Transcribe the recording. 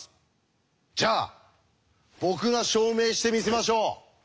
じゃあ僕が証明してみせましょう！